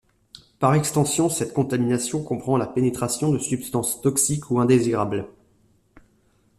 Par extension, cette contamination comprend la pénétration de substances toxiques ou indésirables.